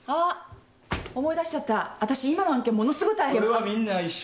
それはみんな一緒。